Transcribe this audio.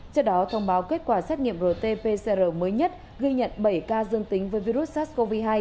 trước đó thông báo kết quả xét nghiệm rt pcr mới nhất ghi nhận bảy ca dương tính với virus sars cov hai